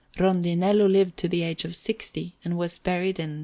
Rondinello lived to the age of sixty, and was buried in S.